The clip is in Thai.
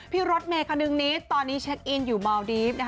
รถเมย์คนึงนี้ตอนนี้เช็คอินอยู่เมาดีฟ